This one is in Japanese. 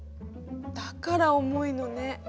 だから重いのね。